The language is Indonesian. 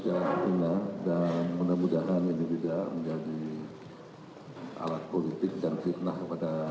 jaksa menemukan kode sm dan oka